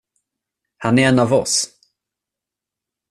Han är en av oss.